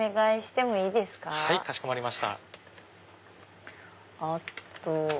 はいかしこまりました。